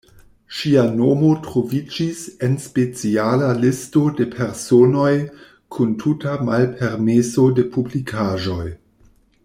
Ŝia nomo troviĝis en speciala listo de personoj kun tuta malpermeso de publikaĵoj.